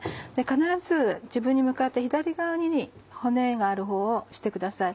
必ず自分に向かって左側に骨があるほうをしてください。